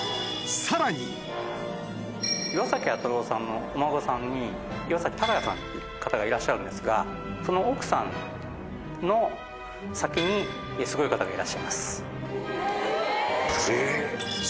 岩崎彌太郎さんのお孫さんに岩崎隆弥さんという方がいらっしゃるんですがその奥さんの先にすごい方がいらっしゃいます。